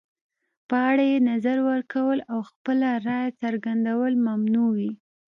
په اړه یې نظر ورکول او خپله رایه څرګندول ممنوع وي.